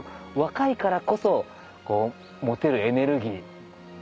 若いからこそ持てるエネルギー。